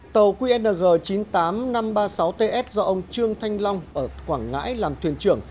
tàu qng chín mươi tám nghìn năm trăm ba mươi sáu ts do ông trương thanh long ở quảng ngãi làm thuyền trưởng